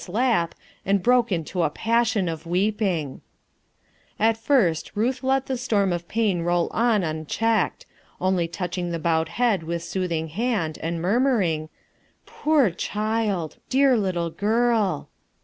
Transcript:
lap, and broke into a pa88ion of At first Ruth let the storm of pa i Q ^J checked, only touching the bowed head^ soothing hand and murmuring :~" Poor child ! dear little girl